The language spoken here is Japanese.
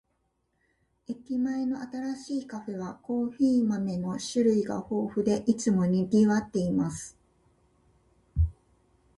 駅前の新しいカフェは、コーヒー豆の種類が豊富で、いつも賑わっています。